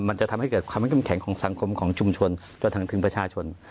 มันจะทำให้เกิดความไม่เข้มแข็งของสังคมของชุมชนจนถึงประชาชน